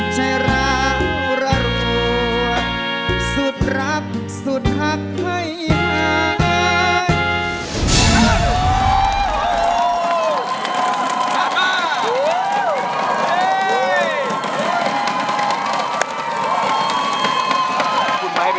ใช่ราวร่ะรัวสุดรักสุดหักให้ให้